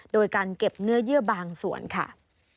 โดยการเก็บเนื้อเยื่อบางส่วนค่ะ